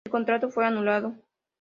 El contrato fue anulado.